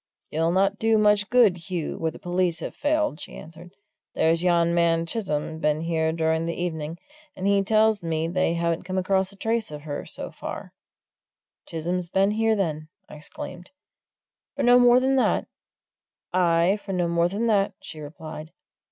"You'll not do much good, Hugh, where the police have failed," she answered. "There's yon man Chisholm been here during the evening, and he tells me they haven't come across a trace of her, so far." "Chisholm's been here, then?" I exclaimed. "For no more than that?" "Aye, for no more than that," she replied.